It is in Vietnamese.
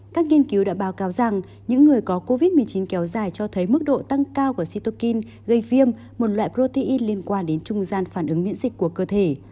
các nghiên cứu đã báo cáo rằng những người có covid một mươi chín kéo dài cho thấy mức độ tăng cao của sitokin gây viêm một loại protein liên quan đến trung gian phản ứng miễn dịch của cơ thể